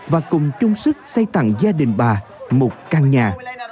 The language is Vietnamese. và cùng chung sức xây tặng gia đình bà một căn nhà